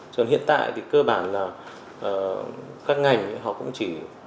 còn hiện tại thì cơ bản là các ngành họ cũng chỉ